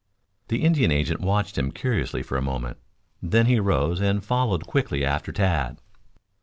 The Indian agent watched him curiously for a moment; then he rose and followed quickly after Tad.